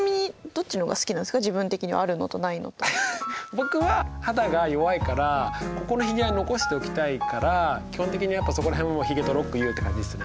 僕は肌が弱いからここのひげは残しておきたいから基本的にやっぱそこら辺はひげとロックユーって感じっすね。